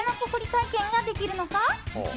体験ができるのか。